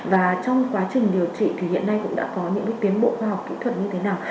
và trong quá trình điều trị thì hiện nay cũng đã có những tiến bộ khoa học kỹ thuật như thế nào